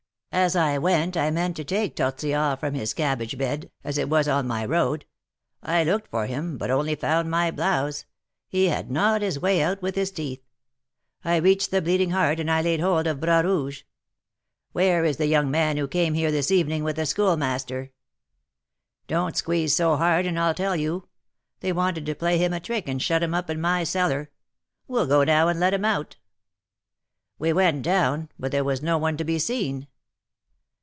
As I went, I meant to take Tortillard from his cabbage bed, as it was on my road. I looked for him, but only found my blouse, he had gnawed his way out with his teeth. I reached the Bleeding Heart, and I laid hold of Bras Rouge. 'Where is the young man who came here this evening with the Schoolmaster?' 'Don't squeeze so hard, and I'll tell you. They wanted to play him a trick and shut him up in my cellar; we'll go now and let him out.' We went down, but there was no one to be seen.